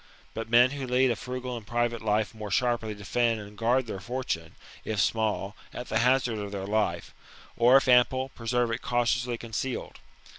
But men who lead a frugal and private life more sharply defend and guard their fortune, if small, at the hazard of their life : or, if ample, preserve it cautiously concealed.